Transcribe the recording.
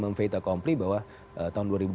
mem fate accompli bahwa tahun dua ribu dua puluh